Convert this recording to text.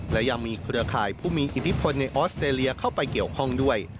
และยังมีเครือข่ายผู้มีอิทธิพลในออสเตรเลียเข้าไปเกี่ยวข้องด้วย